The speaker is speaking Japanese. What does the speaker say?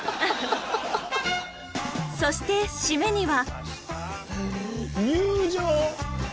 そしてしめには。